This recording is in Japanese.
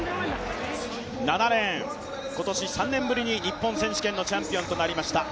７レーン、今年３年ぶりに日本選手権のチャンピオンになりました